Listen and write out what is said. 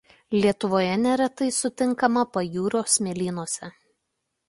Lietuvoje neretai sutinkama pajūrio smėlynuose.